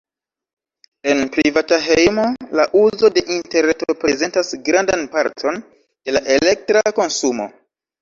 En privata hejmo, la uzo de interreto prezentas grandan parton de la elektra konsumo.